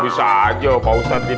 ya ya bisa aja pak ustadz ini